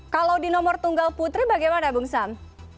kalau di nomor tunggal putri bagaimana bung sam